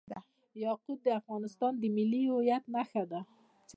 یاقوت د افغانستان د ملي هویت نښه ده.